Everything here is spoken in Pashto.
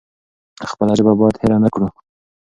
خپله ژبه بايد هېره نکړو.